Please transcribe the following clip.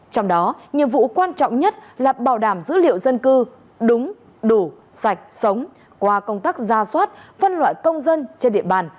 trong đó nhiệm vụ quan trọng nhất là bảo đảm dữ liệu dân cư đúng đủ sạch sống qua công tác ra soát phân loại công dân trên địa bàn